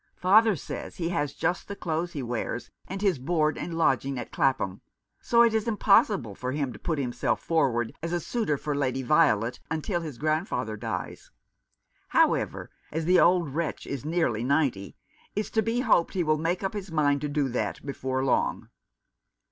Father says he has just the clothes he wears, and his board and lodging at Clapham ; so it is im possible for him to put himself forward as a suitor for Lady Violet till his grandfather dies. How ever, as the old wretch is nearly ninety, it's to be hoped he will make up his mind to do that before long."